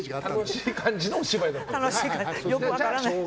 楽しい感じのお芝居だったんですか。